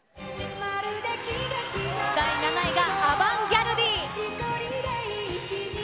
第７位がアバンギャルディ。